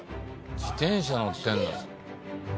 自転車乗ってんだ。